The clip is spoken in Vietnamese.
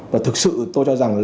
và thực sự tôi cho rằng